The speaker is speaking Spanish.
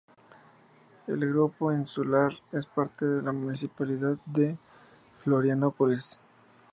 El grupo insular es parte de la municipalidad de Florianópolis.